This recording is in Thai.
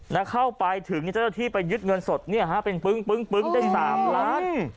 แล้วเข้าไปถึงเจ้าหน้าที่ไปยึดเงินสดเนี่ยฮะเป็นปึ้งปึ้งได้๓ล้าน